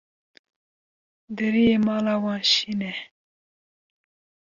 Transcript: Deriyê mala wan şîn e.